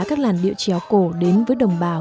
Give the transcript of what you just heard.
các làn điệu trèo cổ đến với đồng bào